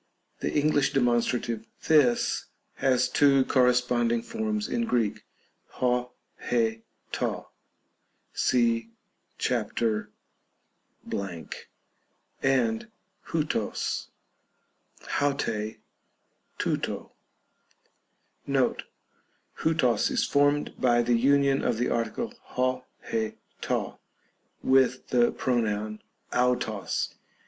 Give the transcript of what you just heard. The English demonstrative 'this' has two corresponding forms in Greek, d, y/, to (see §), and ovTog, avrr^^ tovto. Note, ovTos is formed by the union of the article 6, 17, to, witli the pronoun avros.